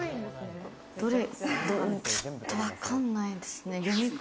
ちょっとわかんないですね。